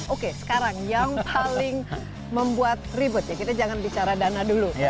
oke sekarang yang paling membuat ribet ya kita jangan bicara dana dulu